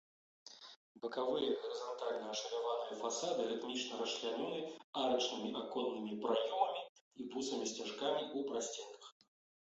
Бакавыя гарызантальна ашаляваныя фасады рытмічна расчлянёны арачнымі аконнымі праёмамі і бусамі-сцяжкамі ў прасценках.